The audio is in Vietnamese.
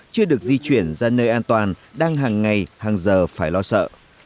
chưa được di chuyển ra nơi an toàn đang hàng ngày hàng giờ phải lo sợ